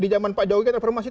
di zaman pak jokowi reformasi